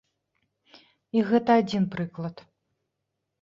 І гэта адзін прыклад.